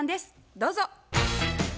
どうぞ。